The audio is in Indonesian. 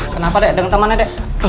kenapa dek dengan temannya dek